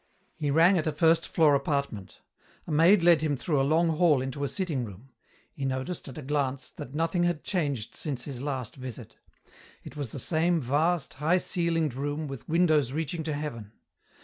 He rang at a first floor apartment. A maid led him through a long hall into a sitting room. He noticed, at a glance, that nothing had changed since his last visit. It was the same vast, high ceilinged room with windows reaching to heaven.